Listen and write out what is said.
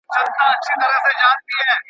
پاکې اوبه د روغ ژوند بنسټ جوړوي او ناروغۍ کموي.